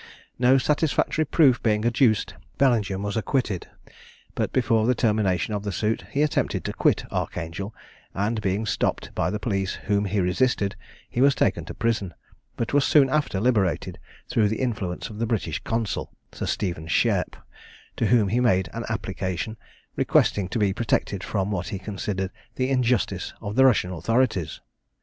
No satisfactory proof being adduced, Bellingham was acquitted: but before the termination of the suit, he attempted to quit Archangel, and being stopped by the police, whom he resisted, he was taken to prison, but was soon after liberated, through the influence of the British consul, Sir Stephen Shairp, to whom he had made application, requesting to be protected from what he considered the injustice of the Russian authorities.